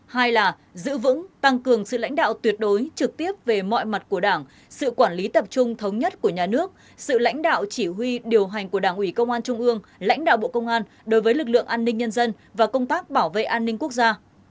hai là giữ vững tăng cường sự lãnh đạo tuyệt đối trực tiếp về mọi mặt của đảng sự quản lý tập trung thống nhất của nhà nước sự lãnh đạo chỉ huy điều hành của đảng ủy công an trung ương lãnh đạo bộ công an đối với lực lượng an ninh nhân dân và công tác bảo vệ an ninh quốc gia